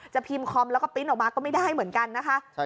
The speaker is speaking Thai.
พิมพ์คอมแล้วก็ปริ้นต์ออกมาก็ไม่ได้เหมือนกันนะคะ